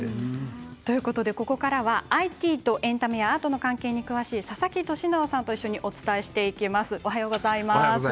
ここからはＩＴとエンタメやアートの関係に詳しい佐々木俊尚さんとお伝えしていきます。